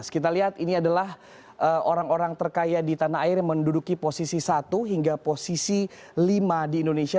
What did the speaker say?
kita lihat ini adalah orang orang terkaya di tanah air yang menduduki posisi satu hingga posisi lima di indonesia